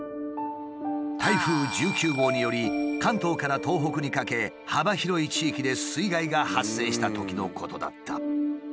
台風１９号により関東から東北にかけ幅広い地域で水害が発生したときのことだった。